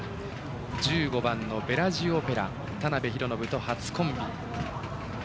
１５番ベラジオオペラ田辺裕信と初コンビ。